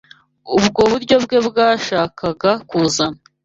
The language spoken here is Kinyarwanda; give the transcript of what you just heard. Ubwo buryo bwe bwashakaga kuzana